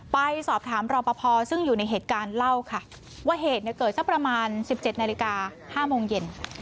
ไปสอบถามรอปภซึ่งอยู่ในเหตุการณ์เล่าค่ะว่าเหตุเนี่ยเกิดสักประมาณ๑๗นาฬิกา๕โมงเย็น